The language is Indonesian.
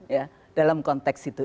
ya dalam konteks itu